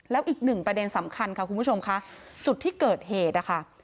แล้วอีกหนึ่งประเด็นสำคัญค่ะคุณผู้ชมค่ะจุดที่เกิดเหตุนะคะ